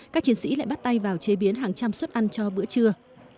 các chiến sĩ lại bắt tay vào chế biến hàng trăm suất ăn cho bữa trưa